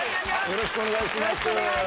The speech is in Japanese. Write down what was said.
よろしくお願いします。